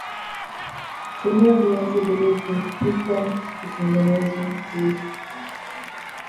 tumia Viazi vilivyopikwa kutengeneza juisi